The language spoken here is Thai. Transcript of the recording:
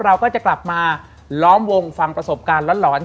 เราก็จะกลับมาล้อมวงฟังประสบการณ์หลอน